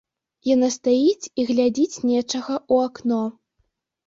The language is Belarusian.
Яна стаіць і глядзіць нечага ў акно.